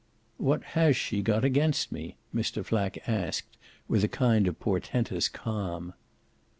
"What has she got against me?" Mr. Flack asked with a kind of portentous calm.